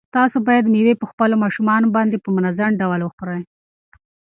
تاسو باید مېوې په خپلو ماشومانو باندې په منظم ډول وخورئ.